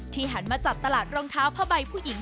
หันมาจับตลาดรองเท้าผ้าใบผู้หญิง